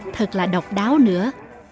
thật là độc đáo nữa